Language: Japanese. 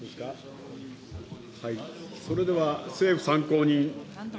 それでは政府参考人。